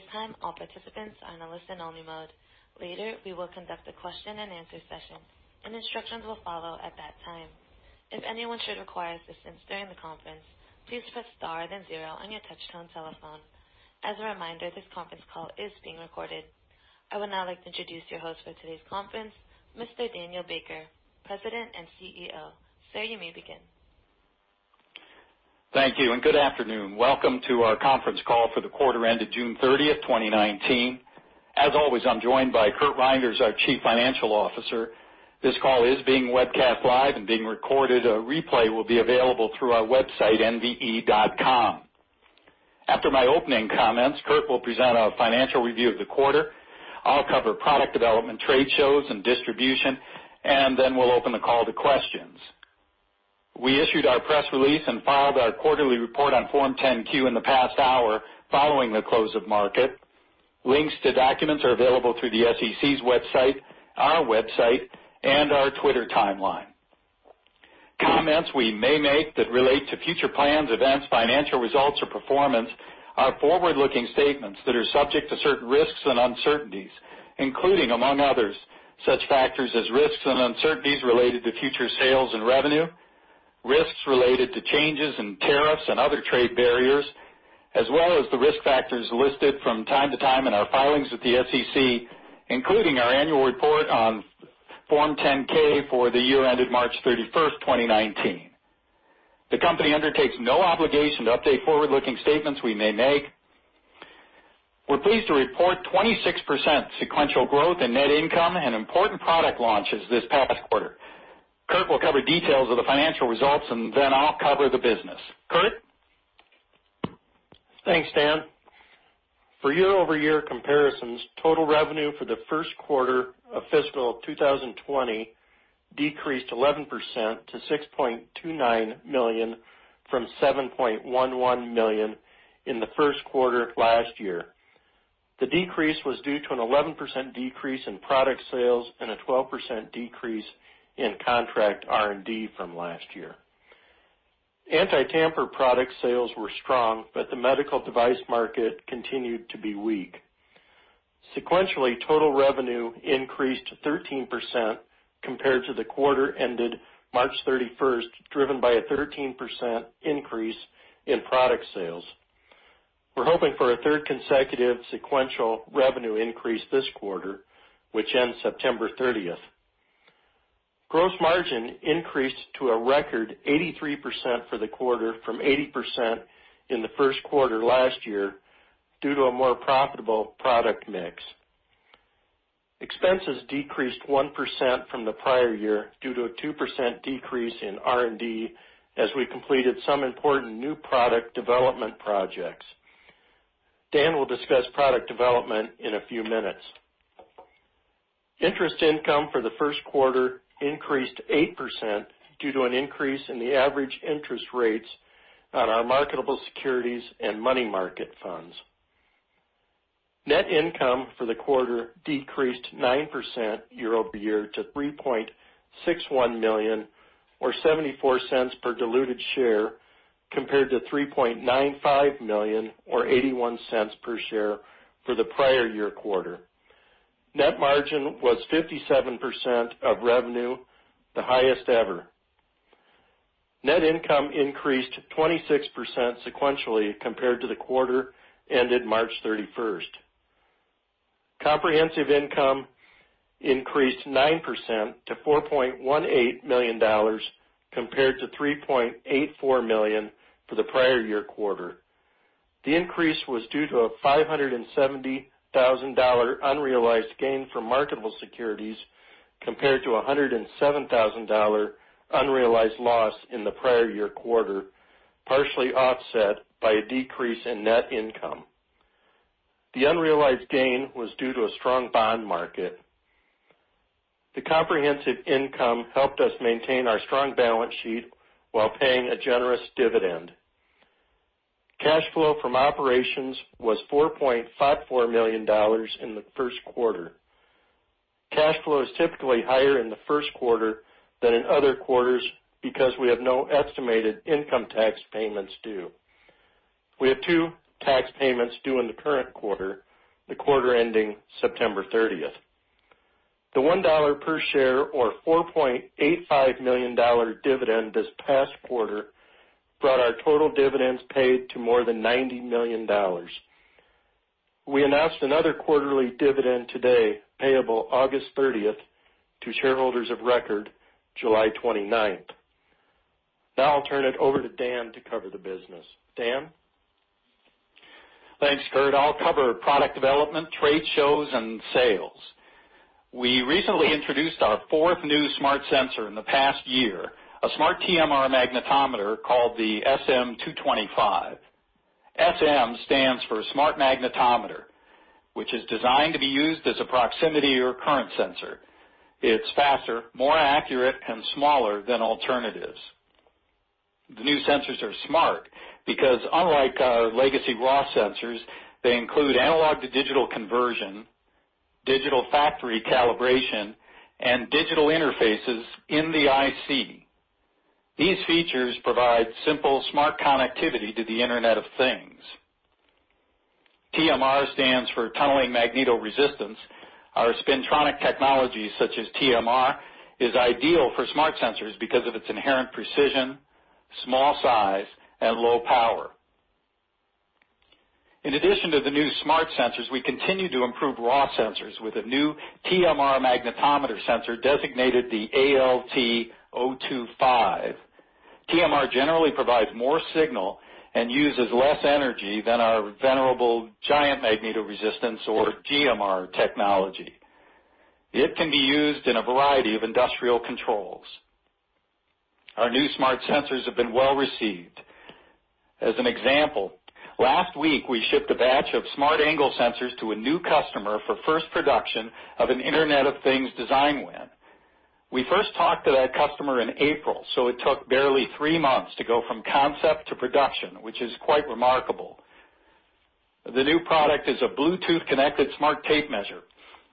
At this time, all participants are in a listen-only mode. Later, we will conduct a question and answer session, and instructions will follow at that time. If anyone should require assistance during the conference, please press star then zero on your touchtone telephone. As a reminder, this conference call is being recorded. I would now like to introduce your host for today's conference, Mr. Daniel Baker, President and CEO. Sir, you may begin. Thank you. Good afternoon. Welcome to our conference call for the quarter ended June 30th, 2019. As always, I'm joined by Curt Reynders, our Chief Financial Officer. This call is being webcast live and being recorded. A replay will be available through our website, nve.com. After my opening comments, Curt will present a financial review of the quarter. I'll cover product development, trade shows, and distribution. Then we'll open the call to questions. We issued our press release and filed our quarterly report on Form 10-Q in the past hour following the close of market. Links to documents are available through the SEC's website, our website, and our Twitter timeline. Comments we may make that relate to future plans, events, financial results, or performance are forward-looking statements that are subject to certain risks and uncertainties, including, among others, such factors as risks and uncertainties related to future sales and revenue, risks related to changes in tariffs and other trade barriers, as well as the risk factors listed from time to time in our filings with the SEC, including our annual report on Form 10-K for the year ended March 31st, 2019. The company undertakes no obligation to update forward-looking statements we may make. We're pleased to report 26% sequential growth in net income and important product launches this past quarter. Curt will cover details of the financial results. Then I'll cover the business. Curt? Thanks, Dan. For year-over-year comparisons, total revenue for the first quarter of fiscal 2020 decreased 11% to $6.29 million from $7.11 million in the first quarter last year. The decrease was due to an 11% decrease in product sales and a 12% decrease in contract R&D from last year. anti-tamper product sales were strong. The medical device market continued to be weak. Sequentially, total revenue increased 13% compared to the quarter ended March 31st, driven by a 13% increase in product sales. We're hoping for a third consecutive sequential revenue increase this quarter, which ends September 30th. Gross margin increased to a record 83% for the quarter from 80% in the first quarter last year due to a more profitable product mix. Expenses decreased 1% from the prior year due to a 2% decrease in R&D as we completed some important new product development projects. Dan will discuss product development in a few minutes. Interest income for the first quarter increased 8% due to an increase in the average interest rates on our marketable securities and money market funds. Net income for the quarter decreased 9% year-over-year to $3.61 million or $0.74 per diluted share, compared to $3.95 million or $0.81 per share for the prior year quarter. Net margin was 57% of revenue, the highest ever. Net income increased 26% sequentially compared to the quarter ended March 31st. Comprehensive income increased 9% to $4.18 million compared to $3.84 million for the prior year quarter. The increase was due to a $570,000 unrealized gain from marketable securities compared to a $107,000 unrealized loss in the prior year quarter, partially offset by a decrease in net income. The unrealized gain was due to a strong bond market. The comprehensive income helped us maintain our strong balance sheet while paying a generous dividend. Cash flow from operations was $4.54 million in the first quarter. Cash flow is typically higher in the first quarter than in other quarters because we have no estimated income tax payments due. We have two tax payments due in the current quarter, the quarter ending September 30th. The $1 per share or $4.85 million dividend this past quarter brought our total dividends paid to more than $90 million. We announced another quarterly dividend today, payable August 30th to shareholders of record July 29th. Now I'll turn it over to Dan to cover the business. Dan? Thanks, Curt. I'll cover product development, trade shows, and sales. We recently introduced our fourth new Smart Sensor in the past year, a smart TMR magnetometer called the SM225. SM stands for Smart Magnetometer, which is designed to be used as a proximity or current sensor. It's faster, more accurate, and smaller than alternatives. The new sensors are smart because, unlike our legacy raw sensors, they include analog-to-digital conversion, digital factory calibration, and digital interfaces in the ICs. These features provide simple, smart connectivity to the Internet of Things. TMR stands for Tunneling Magnetoresistance. Our spintronic technology, such as TMR, is ideal for Smart Sensors because of its inherent precision, small size, and low power. In addition to the new Smart Sensors, we continue to improve raw sensors with a new TMR magnetometer sensor designated the ALT025. TMR generally provides more signal and uses less energy than our venerable Giant Magnetoresistance, or GMR technology. It can be used in a variety of industrial controls. Our new Smart Sensors have been well-received. As an example, last week, we shipped a batch of Smart Angle Sensors to a new customer for the first production of an Internet of Things design win. We first talked to that customer in April, so it took barely three months to go from concept to production, which is quite remarkable. The new product is a Bluetooth-connected smart tape measure.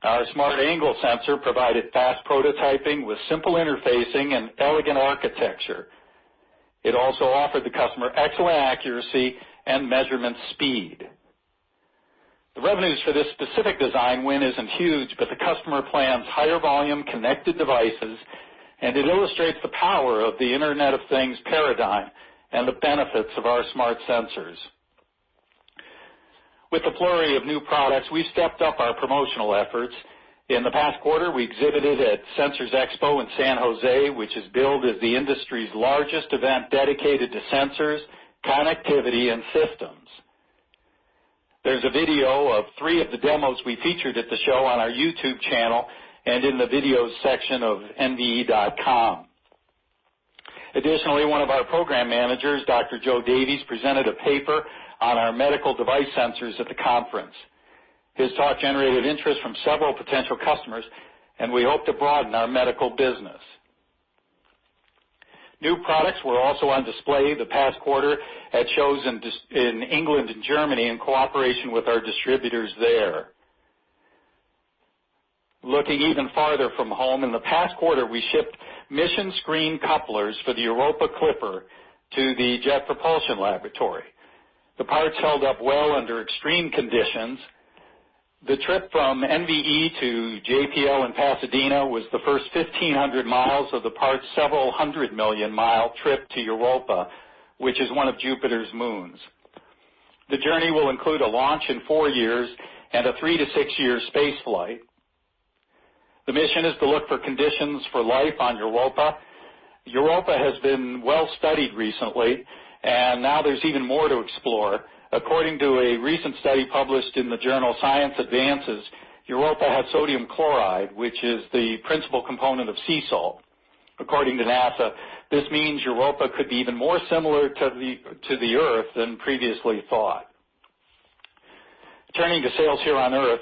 Our Smart Angle Sensor provided fast prototyping with simple interfacing and elegant architecture. It also offered the customer excellent accuracy and measurement speed. The revenues for this specific design win isn't huge, but the customer plans higher volume connected devices, and it illustrates the power of the Internet of Things paradigm and the benefits of our Smart Sensors. With the flurry of new products, we've stepped up our promotional efforts. In the past quarter, we exhibited at Sensors Expo in San Jose, which is billed as the industry's largest event dedicated to sensors, connectivity, and systems. There's a video of three of the demos we featured at the show on our YouTube channel and in the video section of nve.com. Additionally, one of our program managers, Dr. Joe Davies, presented a paper on our medical device sensors at the conference. His talk generated interest from several potential customers, and we hope to broaden our medical business. New products were also on display the past quarter at shows in England and Germany in cooperation with our distributors there. Looking even farther from home, in the past quarter, we shipped mission-screening couplers for the Europa Clipper to the Jet Propulsion Laboratory. The parts held up well under extreme conditions. The trip from NVE to JPL in Pasadena was the first 1,500 miles of the part's several hundred million-mile trip to Europa, which is one of Jupiter's moons. The journey will include a launch in four years and a three-to-six-year space flight. The mission is to look for conditions for life on Europa. Europa has been well-studied recently, and now there's even more to explore. According to a recent study published in the journal, "Science Advances," Europa has sodium chloride, which is the principal component of sea salt. According to NASA, this means Europa could be even more similar to the Earth than previously thought. Turning to sales here on Earth,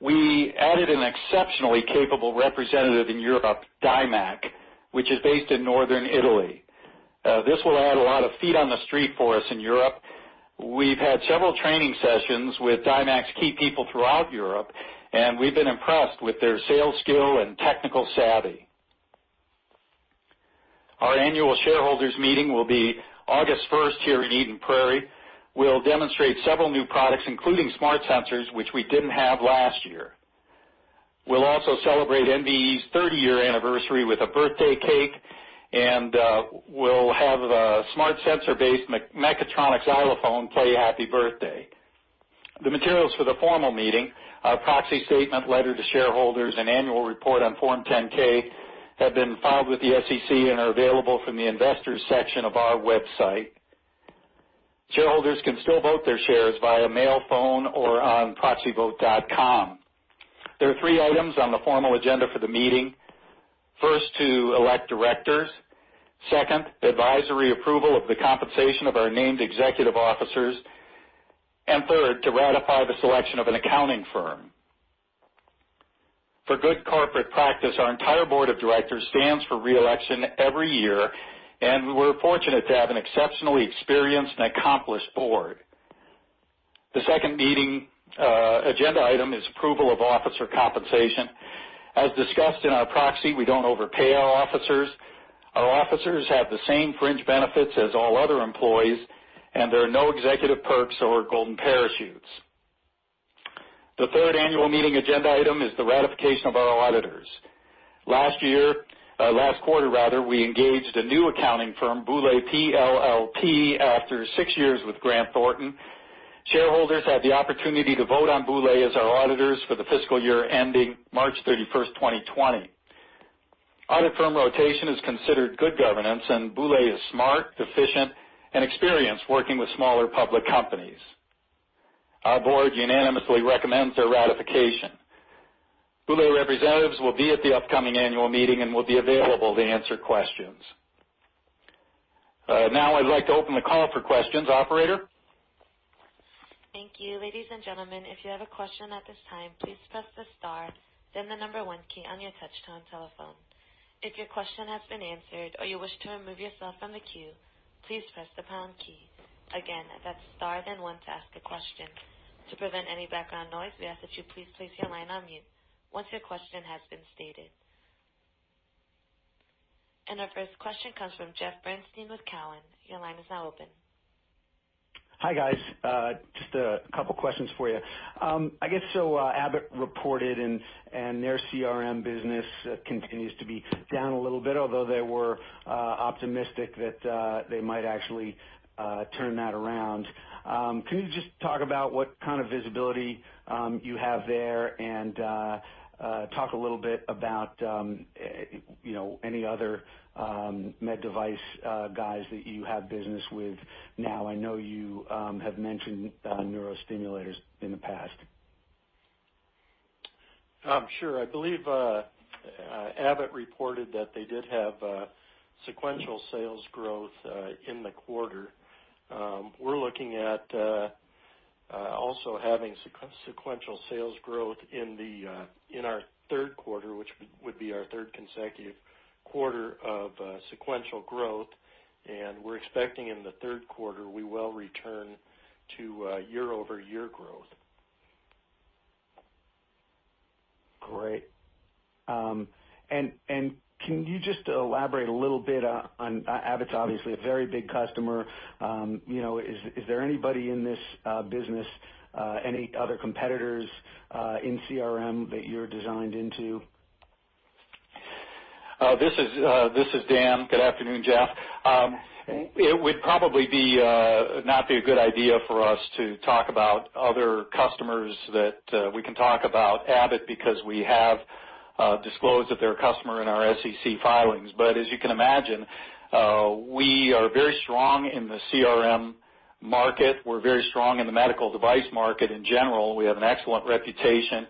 we added an exceptionally capable representative in Europe, Dymac, which is based in Northern Italy. This will add a lot of feet on the street for us in Europe. We've had several training sessions with Dymac's key people throughout Europe, and we've been impressed with their sales skill and technical savvy. Our annual shareholders meeting will be August first here in Eden Prairie. We'll demonstrate several new products, including Smart Sensors, which we didn't have last year. We'll also celebrate NVE's 30-year anniversary with a birthday cake, and we'll have a Smart Sensor-based mechatronics xylophone play "Happy Birthday." The materials for the formal meeting, our proxy statement, letter to shareholders, and annual report on Form 10-K have been filed with the SEC and are available from the investors section of our website. Shareholders can still vote their shares via mail, phone, or on proxyvote.com. There are three items on the formal agenda for the meeting. First, to elect directors. Second, the advisory approval of the compensation of our named executive officers. Third, to ratify the selection of an accounting firm. For good corporate practice, our entire board of directors stands for re-election every year, and we're fortunate to have an exceptionally experienced and accomplished board. The second meeting agenda item is approval of officer compensation. As discussed in our proxy, we don't overpay our officers. Our officers have the same fringe benefits as all other employees. There are no executive perks or golden parachutes. The third annual meeting agenda item is the ratification of our auditors. Last quarter, we engaged a new accounting firm, Boulay PLLP, after six years with Grant Thornton. Shareholders had the opportunity to vote on Boulay as our auditors for the fiscal year ending March 31st, 2020. Audit firm rotation is considered good governance, and Boulay is smart, efficient, and experienced working with smaller public companies. Our board unanimously recommends their ratification. Boulay representatives will be at the upcoming annual meeting and will be available to answer questions. I'd like to open the call for questions. Operator? Thank you. Ladies and gentlemen, if you have a question at this time, please press the star, then the number one key on your touch-tone telephone. If your question has been answered or you wish to remove yourself from the queue, please press the pound key. Again, that's star then one to ask a question. To prevent any background noise, we ask that you please place your line on mute once your question has been stated. Our first question comes from Jeff Bernstein with Cowen. Your line is now open. Hi, guys. Just a couple of questions for you. I guess, Abbott reported, their CRM business continues to be down a little bit, although they were optimistic that they might actually turn that around. Can you just talk about what kind of visibility you have there, and talk a little bit about any other med device guys that you have business with now? I know you have mentioned neurostimulators in the past. Sure. I believe Abbott reported that they did have sequential sales growth in the quarter. We're looking at also having sequential sales growth in our third quarter, which would be our third consecutive quarter of sequential growth. We're expecting in the third quarter, we will return to year-over-year growth. Great. Can you just elaborate a little bit on, Abbott's obviously a very big customer. Is there anybody in this business, any other competitors in CRM that you're designed into? This is Dan. Good afternoon, Jeff. It would probably not be a good idea for us to talk about other customers, that we can talk about Abbott because we have disclosed that they're a customer in our SEC filings. As you can imagine, we are very strong in the CRM market. We're very strong in the medical device market in general. We have an excellent reputation,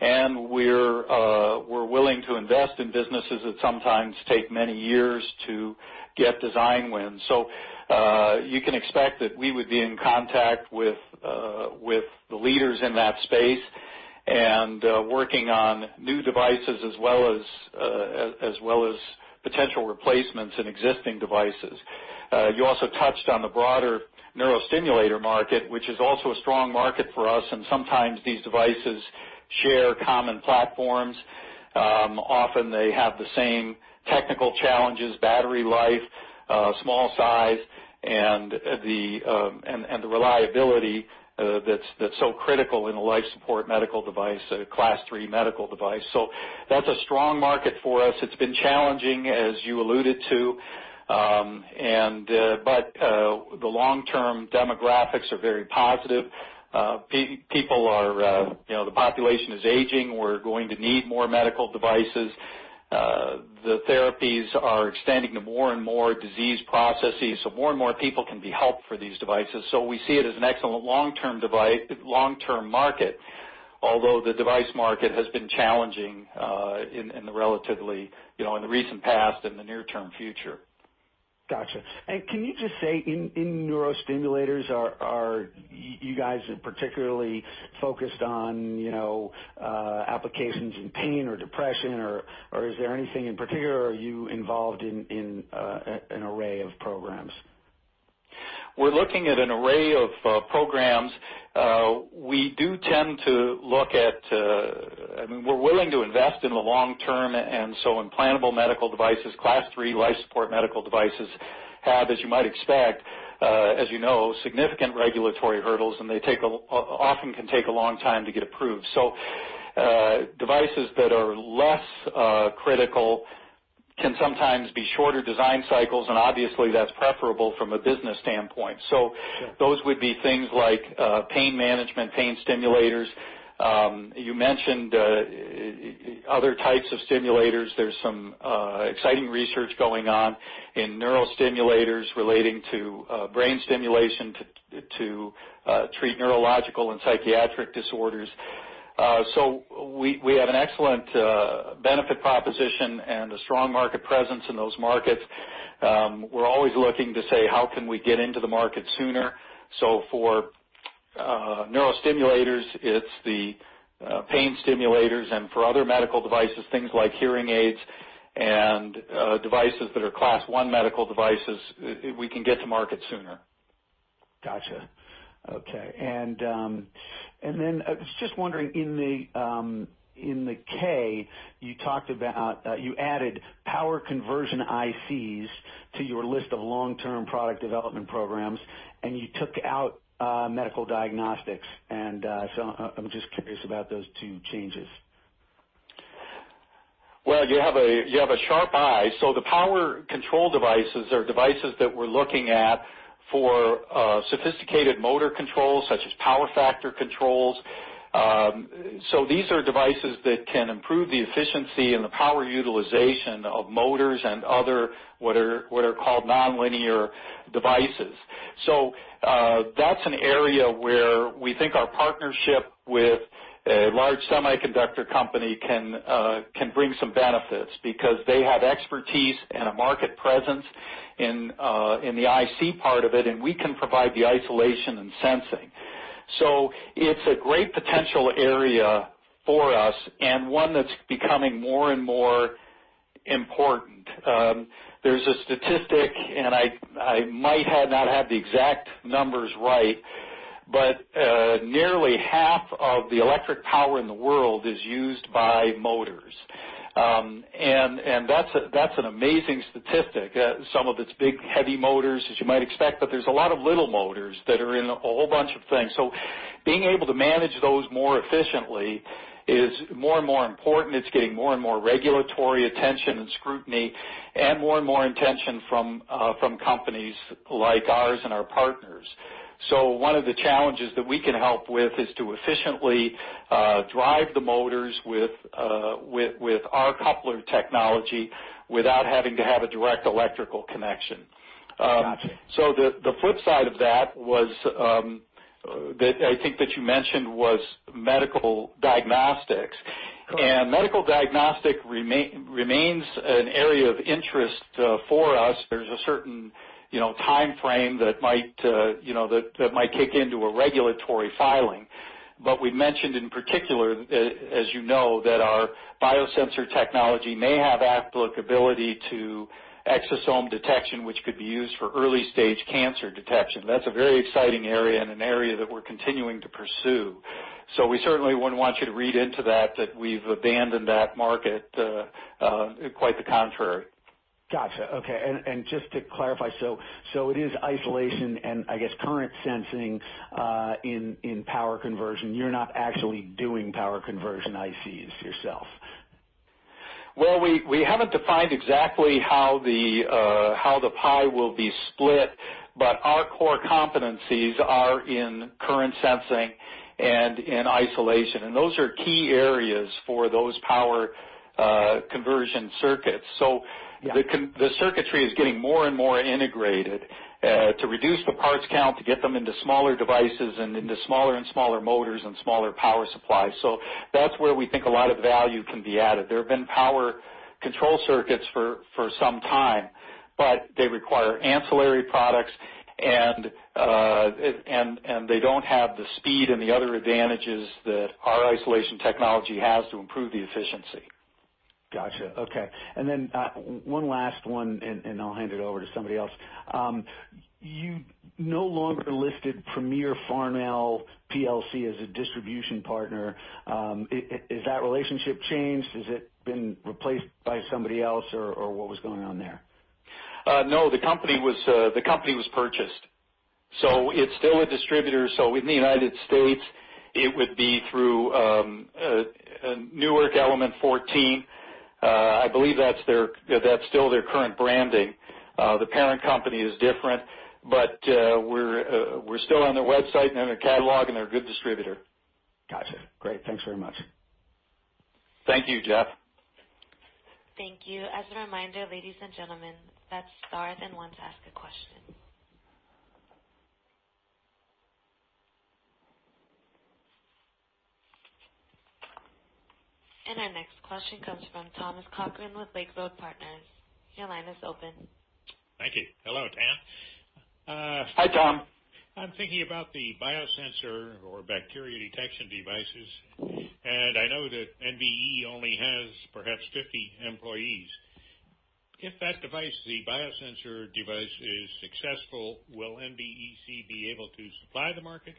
and we're willing to invest in businesses that sometimes take many years to get design wins. You can expect that we would be in contact with the leaders in that space, and working on new devices as well as potential replacements in existing devices. You also touched on the broader neurostimulator market, which is also a strong market for us, and sometimes these devices share common platforms. Often they have the same technical challenges, battery life, small size, and the reliability that's so critical in a life support medical device, a Class III medical device. That's a strong market for us. It's been challenging, as you alluded to. The long-term demographics are very positive. The population is aging. We're going to need more medical devices. The therapies are extending to more and more disease processes, so more and more people can be helped for these devices. We see it as an excellent long-term market, although the device market has been challenging in the recent past and the near-term future. Got you. Can you just say, in neurostimulators, are you guys particularly focused on applications in pain or depression, or is there anything in particular, or are you involved in an array of programs? We're looking at an array of programs. We're willing to invest in the long term, implantable medical devices, Class III life support medical devices, have, as you might expect, as you know, significant regulatory hurdles, and they often can take a long time to get approved. Devices that are less critical can sometimes be shorter design cycles, and obviously, that's preferable from a business standpoint. Sure. Those would be things like pain management, pain stimulators. You mentioned other types of stimulators. There's some exciting research going on in neurostimulators relating to brain stimulation to treat neurological and psychiatric disorders. We have an excellent benefit proposition and a strong market presence in those markets. We're always looking to say, how can we get into the market sooner? For neurostimulators, it's the pain stimulators, and for other medical devices, things like hearing aids and devices that are Class 1 medical devices, we can get to market sooner. Got you. Okay. I was just wondering, in the 10-K, you added power conversion ICs to your list of long-term product development programs, and you took out medical diagnostics. I'm just curious about those two changes. Well, you have a sharp eye. The power control devices are devices that we're looking at for sophisticated motor controls, such as power factor controls. These are devices that can improve the efficiency and the power utilization of motors and other, what are called nonlinear devices. That's an area where we think our partnership with a large semiconductor company can bring some benefits, because they have expertise and a market presence in the IC part of it, and we can provide the isolation and sensing. It's a great potential area for us, and one that's becoming more and more important. There's a statistic, and I might not have the exact numbers right, but nearly half of the electric power in the world is used by motors. That's an amazing statistic. Some of it's big, heavy motors, as you might expect, but there's a lot of little motors that are in a whole bunch of things. Being able to manage those more efficiently is more and more important. It's getting more and more regulatory attention and scrutiny and more and more attention from companies like ours and our partners. One of the challenges that we can help with is to efficiently drive the motors with our coupler technology without having to have a direct electrical connection. Got you. The flip side of that, I think that you mentioned, was medical diagnostics. Correct. Medical diagnostic remains an area of interest for us. There's a certain timeframe that might kick into a regulatory filing. We mentioned in particular, as you know, that our biosensor technology may have applicability to exosome detection, which could be used for early-stage cancer detection. That's a very exciting area and an area that we're continuing to pursue. We certainly wouldn't want you to read into that we've abandoned that market. Quite the contrary. Got you. Okay. Just to clarify, it is isolation and I guess current sensing in power conversion. You're not actually doing power conversion ICs yourself. We haven't defined exactly how the pie will be split, but our core competencies are in current sensing and in isolation, and those are key areas for those power conversion circuits. Yeah. The circuitry is getting more and more integrated to reduce the parts count, to get them into smaller devices, and into smaller and smaller motors and smaller power supplies. That's where we think a lot of value can be added. There have been power control circuits for some time, but they require ancillary products, and they don't have the speed and the other advantages that our isolation technology has to improve the efficiency. Got you. Okay. One last one, and I'll hand it over to somebody else. You no longer listed Premier Farnell plc as a distribution partner. Has that relationship changed? Has it been replaced by somebody else, or what was going on there? No, the company was purchased. It's still a distributor. In the U.S., it would be through Newark element14. I believe that's still their current branding. The parent company is different, we're still on their website and in their catalog, they're a good distributor. Got you. Great. Thanks very much. Thank you, Jeff. Thank you. As a reminder, ladies and gentlemen, that's star then one to ask a question. Our next question comes from Thomas Cochran with Lake Road Partners. Your line is open. Thank you. Hello, Dan. Hi, Tom. I'm thinking about the biosensor or bacteria detection devices, I know that NVE only has perhaps 50 employees. If that device, the biosensor device, is successful, will NVEC be able to supply the market,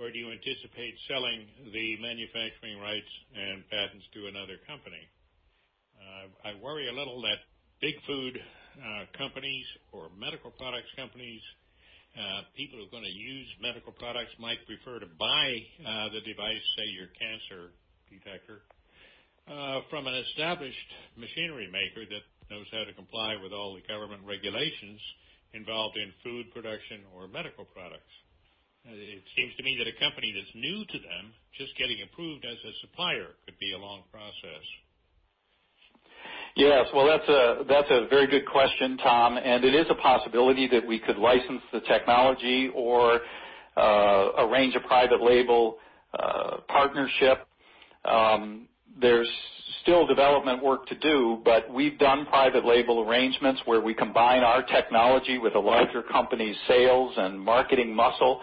or do you anticipate selling the manufacturing rights and patents to another company? I worry a little that big food companies or medical products companies, people who are going to use medical products might prefer to buy the device, say, your cancer detector, from an established machinery maker that knows how to comply with all the government regulations involved in food production or medical products. It seems to me that a company that's new to them, just getting approved as a supplier could be a long process. Yes. Well, that's a very good question, Tom. It is a possibility that we could license the technology or arrange a private label partnership. There's still development work to do, but we've done private label arrangements where we combine our technology with a larger company's sales and marketing muscle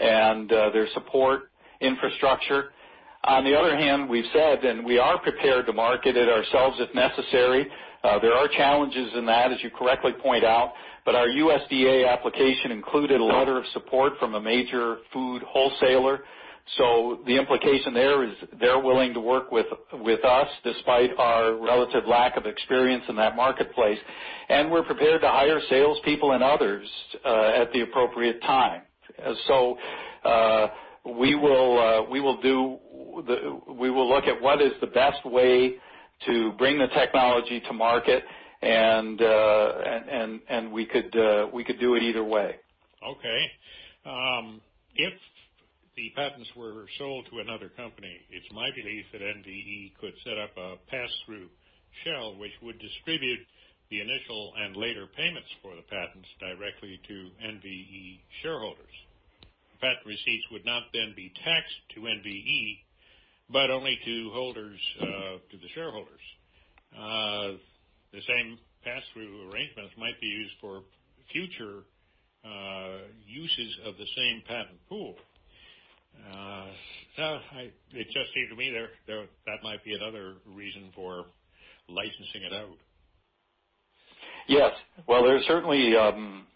and their support infrastructure. On the other hand, we've said, we are prepared to market it ourselves if necessary. There are challenges in that, as you correctly point out, but our USDA application included a letter of support from a major food wholesaler. The implication there is they're willing to work with us despite our relative lack of experience in that marketplace. We're prepared to hire salespeople and others at the appropriate time. We will look at what is the best way to bring the technology to market. We could do it either way. Okay. If the patents were sold to another company, it's my belief that NVE could set up a pass-through shell which would distribute the initial and later payments for the patents directly to NVE shareholders. Patent receipts would not then be taxed to NVE. Only to the shareholders. The same pass-through arrangements might be used for future uses of the same patent pool. It just seemed to me that might be another reason for licensing it out. Yes. Well, there's certainly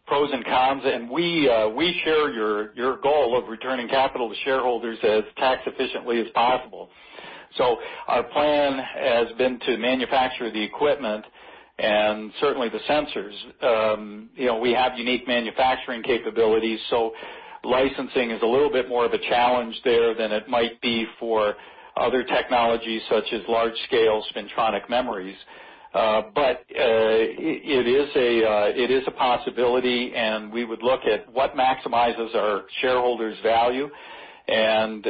pros and cons. We share your goal of returning capital to shareholders as tax efficiently as possible. Our plan has been to manufacture the equipment and certainly the sensors. We have unique manufacturing capabilities, so licensing is a little bit more of a challenge there than it might be for other technologies such as large-scale spintronic memories. It is a possibility. We would look at what maximizes our shareholders' value and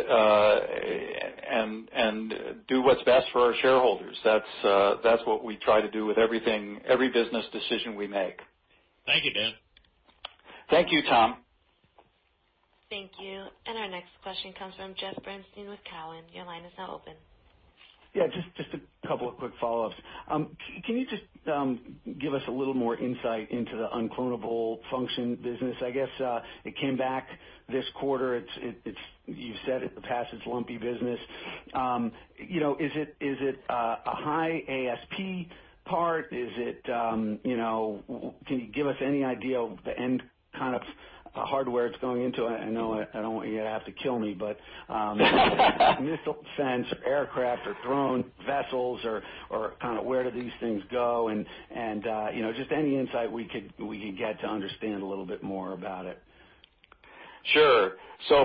do what's best for our shareholders. That's what we try to do with every business decision we make. Thank you, Dan. Thank you, Tom. Thank you. Our next question comes from Jeff Bernstein with Cowen. Your line is now open. Yeah, just a couple of quick follow-ups. Can you just give us a little more insight into the unclonable function business? I guess it came back this quarter. You've said it in the past, it's lumpy business. Is it a high ASP part? Can you give us any idea of the end kind of hardware it's going into? I know you're going to have to kill me, missile defense or aircraft or drone vessels or kind of where do these things go, and just any insight we could get to understand a little bit more about it. Sure.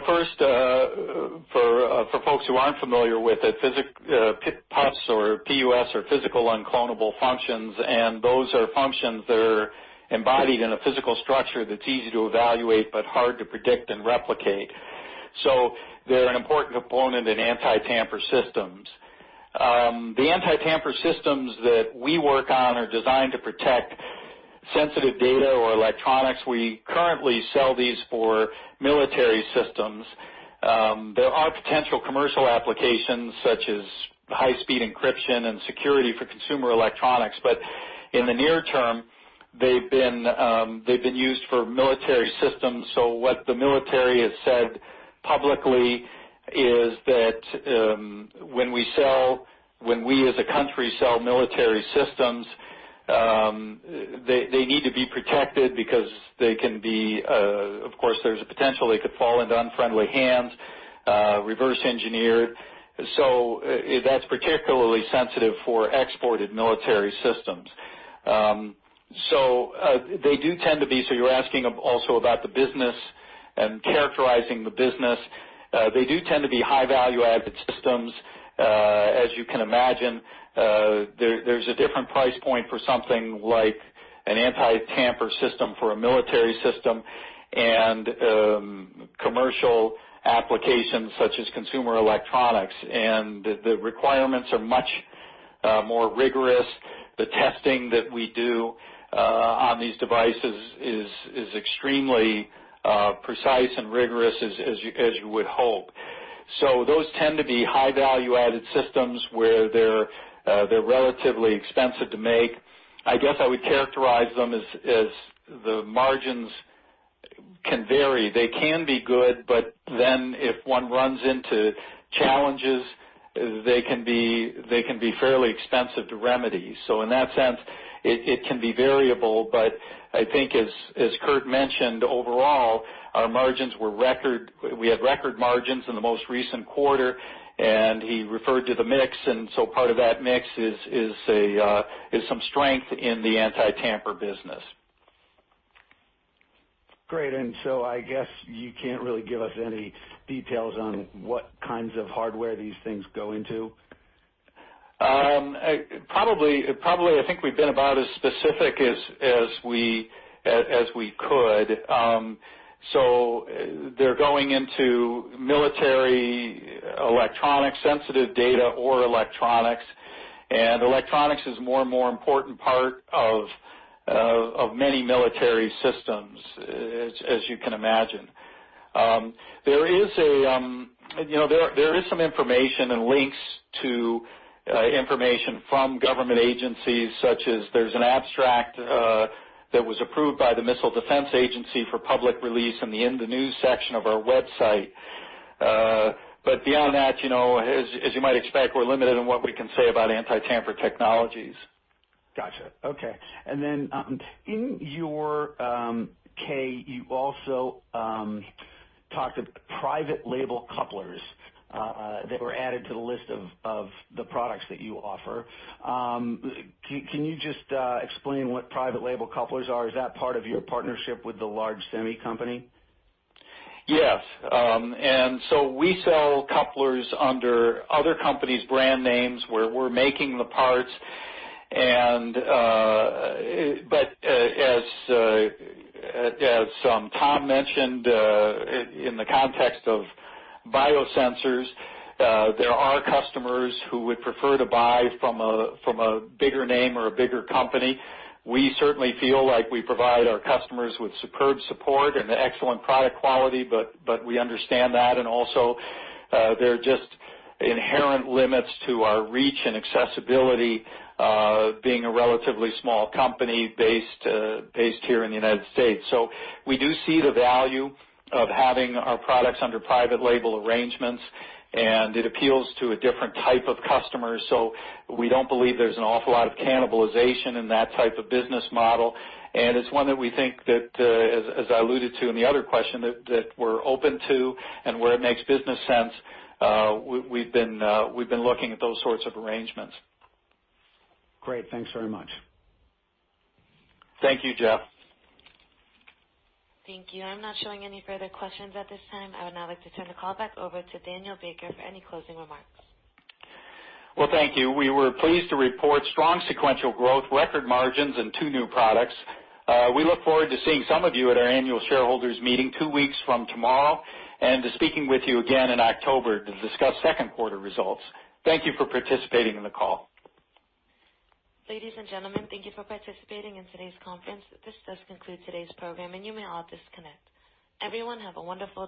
First, for folks who aren't familiar with it, PUFs, or P-U-F, are physical unclonable functions, and those are functions that are embodied in a physical structure that's easy to evaluate but hard to predict and replicate. They're an important component in anti-tamper systems. The anti-tamper systems that we work on are designed to protect sensitive data or electronics. We currently sell these for military systems. There are potential commercial applications, such as high-speed encryption and security for consumer electronics. In the near term, they've been used for military systems. What the military has said publicly is that when we as a country sell military systems, they need to be protected because they can be, of course, there's a potential they could fall into unfriendly hands, reverse engineered. That's particularly sensitive for exported military systems. You're asking also about the business and characterizing the business. They do tend to be high value-added systems. As you can imagine, there's a different price point for something like an anti-tamper system for a military system and commercial applications such as consumer electronics. The requirements are much more rigorous. The testing that we do on these devices is extremely precise and rigorous as you would hope. Those tend to be high value-added systems where they're relatively expensive to make. I guess I would characterize them as the margins can vary. They can be good, but then if one runs into challenges, they can be fairly expensive to remedy. In that sense, it can be variable. I think as Curt mentioned, overall, we had record margins in the most recent quarter. He referred to the mix. Part of that mix is some strength in the anti-tamper business. Great. I guess you can't really give us any details on what kinds of hardware these things go into? Probably, I think we've been about as specific as we could. They're going into military electronics, sensitive data or electronics, and electronics is more and more important part of many military systems, as you can imagine. There is some information and links to information from government agencies, such as there's an abstract that was approved by the Missile Defense Agency for public release in the News section of our website. Beyond that, as you might expect, we're limited in what we can say about anti-tamper technologies. Got you. Okay. In your 10-K, you also talked of private label couplers that were added to the list of the products that you offer. Can you just explain what private label couplers are? Is that part of your partnership with the large semi company? Yes. We sell couplers under other companies' brand names, where we're making the parts. As Tom mentioned, in the context of biosensors, there are customers who would prefer to buy from a bigger name or a bigger company. We certainly feel like we provide our customers with superb support and excellent product quality, but we understand that. Also, there are just inherent limits to our reach and accessibility, being a relatively small company based here in the U.S. We do see the value of having our products under private label arrangements, and it appeals to a different type of customer. We don't believe there's an awful lot of cannibalization in that type of business model, and it's one that we think that, as I alluded to in the other question, that we're open to, and where it makes business sense, we've been looking at those sorts of arrangements. Great. Thanks very much. Thank you, Jeff. Thank you. I'm not showing any further questions at this time. I would now like to turn the call back over to Daniel Baker for any closing remarks. Well, thank you. We were pleased to report strong sequential growth, record margins in two new products. We look forward to seeing some of you at our annual shareholders meeting two weeks from tomorrow, and to speaking with you again in October to discuss second quarter results. Thank you for participating in the call. Ladies and gentlemen, thank you for participating in today's conference. This does conclude today's program, and you may all disconnect. Everyone, have a wonderful day.